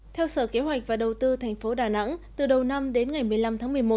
theo sở kế hoạch và đầu tư tp đà nẵng từ đầu năm đến ngày một mươi năm tháng một mươi một